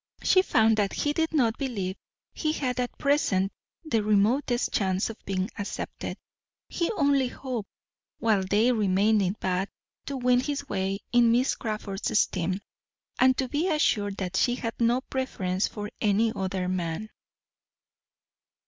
She found that he did not believe he had at present the remotest chance of being accepted; he only hoped, while they remained in Bath, to win his way in Miss Crawford's esteem, and to be assured that she had no preference for any other man.